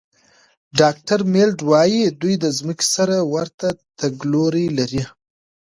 ډاکټر میلرډ وايي، دوی د ځمکې سره ورته تګلوري لري.